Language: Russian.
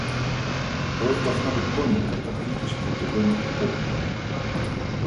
Бровь должна быть тоненькая, как ниточка, удивленно-приподнятая.